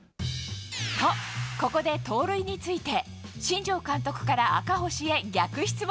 と、ここで盗塁について新庄監督から赤星へ逆質問。